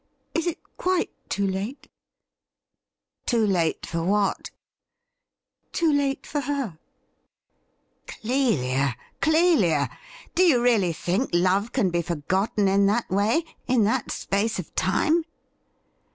Is it quite too late ?'' Too late for what ?'« Too late for her ?'' Clelia ! Clelia ! Do you really think love can be for gotten in that way — in that space of time